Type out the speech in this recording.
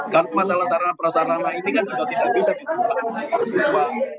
karena masalah sarana prasarana ini kan juga tidak bisa ditemukan oleh mahasiswa